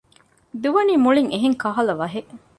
ދުވަނީ މުޅިން އެހެން ކަހަލަ ވަހެއް